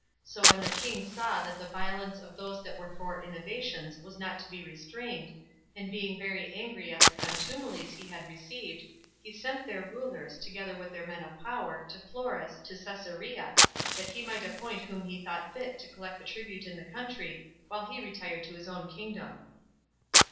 So when the king saw that the violence of those that were for innovations was not to be restrained, and being very angry at the contumelies he had received, he sent their rulers, together with their men of power, to Florus, to Cesarea, that he might appoint whom he thought fit to collect the tribute in the country, while he retired into his own kingdom.